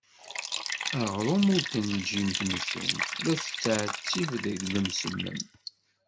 Aɣrum ur t-tenǧim temcumt, la tettɛettib deg lemsemmen.